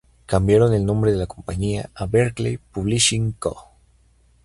Cambiaron el nombre de la compañía a Berkley Publishing Co.